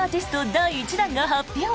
第１弾が発表。